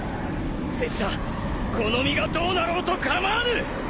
拙者この身がどうなろうと構わぬ！